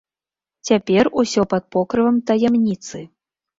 Цяпер усё пад покрывам таямніцы.